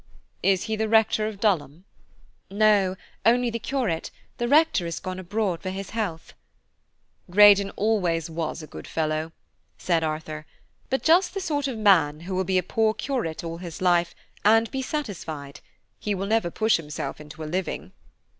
"Is he the rector of Dulham?" "No, only the curate; the rector has gone abroad for his health." "Greydon always was a good fellow," said Arthur, "but just the sort of man who will be a poor curate all his life, and be satisfied. He will never push himself into a living."